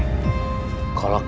apa yang kita lakukan